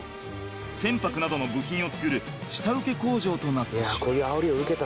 船舶などの部品を作る下請け工場となってしまう。